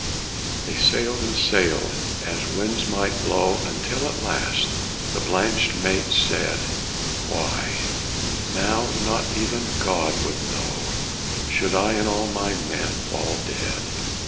'" They sailed and sailed, as winds might blow; Until at last the blanched mate said: "Why, now not even God would know Should I and all my men fall dead.